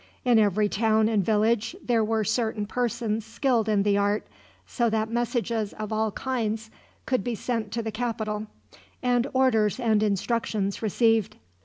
In every town and village there were certain persons skilled in the art, so that messages of all kinds could be sent to the capital, and orders and instructions received.